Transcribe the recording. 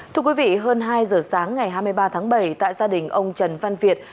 thưa quý vị hơn hai giờ sáng ngày hai mươi ba tháng bảy tại gia đình ông trần văn việt